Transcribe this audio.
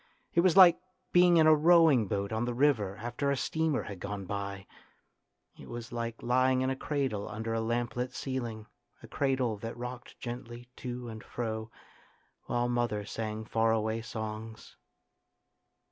It was like being in a rowing boat on the river after a steamer had gone by. It was like lying in a cradle under a lamplit ceiling, a cradle that rocked gently to and fro while mother sang far away songs.